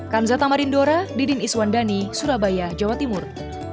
kanzatamarin dora didin iswandani surabaya jawa timur